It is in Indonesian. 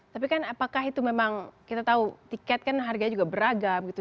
tapi kan apakah itu memang kita tahu tiket kan harganya juga beragam gitu